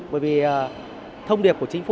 bởi vì thông điệp của chính phủ